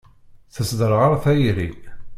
Tesderɣal tayri.